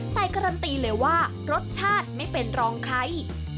แต่การันตีเลยว่ารสชาติไม่เป็นรองใคร